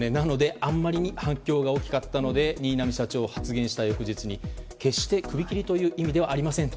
あまりに反響が大きかったので新浪社長、発言した翌日に決して首切りという意味ではありませんと。